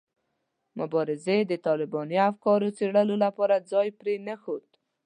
مبارزې د طالباني افکارو څېړلو لپاره ځای پرې نه ښود.